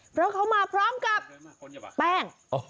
เพราะเขามาพร้อมกับแป้ง